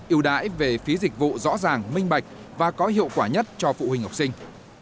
yêu đãi về phí dịch vụ rõ ràng minh bạch và có hiệu quả nhất cho phụ huynh học sinh